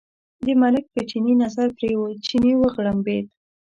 د ملک په چیني نظر پرېوت، چیني وغړمبېد.